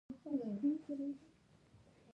تالابونه د خلکو د ژوند په کیفیت تاثیر کوي.